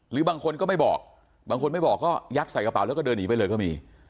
หรือบางคนก็ไม่บอกบางคนไม่บอกก็ยัดใส่กระเป๋าแล้วก็เดินหนีไปเลยก็มี